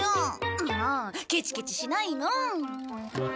んもうケチケチしないの。